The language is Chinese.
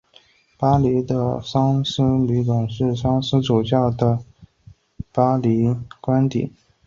巴黎的桑斯旅馆是桑斯总主教在巴黎的官邸。